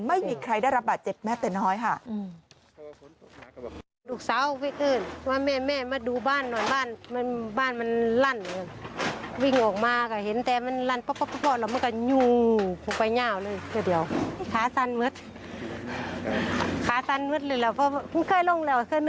ไม่มีใครได้รับบาดเจ็บแม้แต่น้อยค่ะ